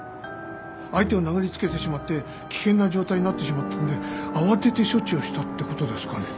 相手を殴りつけてしまって危険な状態になってしまったんで慌てて処置をしたってことですかね。